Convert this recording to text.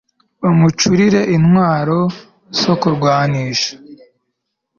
bamucurire intwaro zo kurwanisha